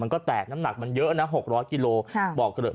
ก็แตกน้ำหนักมันเยอะนะ๖๐๐กิโลบอกเกลือ